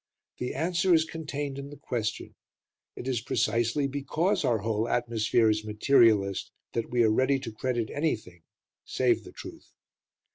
The answer is contained in the question: it is precisely because our whole atmosphere is materialist that we are ready to credit anything save the truth.